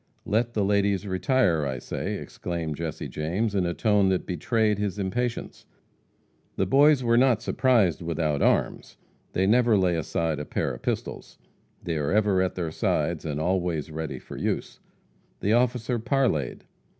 "Let the ladies retire, I say!" exclaimed Jesse James, in a tone that betrayed his impatience. The Boys were not surprised without arms. They never lay aside a pair of pistols. They are ever at their sides, and always ready for use. The officer parleyed.